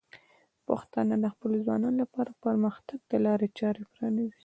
پښتانه د خپلو ځوانانو لپاره پرمختګ ته لارې چارې پرانیزي.